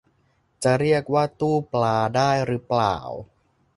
จะเรียกว่าตู้ปลาได้รึเปล่า